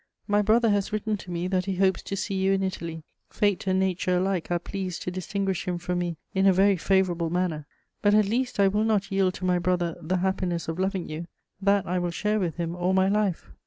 My brother has written to me that he hopes to see you in Italy. Fate and nature alike are pleased to distinguish him from me in a very favourable manner. But at least I will not yield to my brother the happiness of loving you: that I will share with him all my life.